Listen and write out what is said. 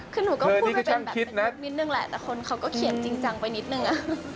คือหนูก็พูดไปเป็นแบบนิดนึงแหละแต่คนเขาก็เขียนจริงจังไปนิดนึง